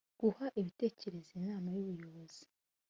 guha ibitekerezo inama y ubuyobozi